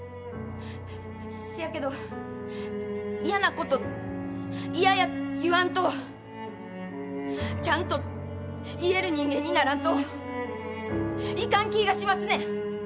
せやけど嫌なこと嫌や言わんとちゃんと言える人間にならんといかん気ぃがしますねん。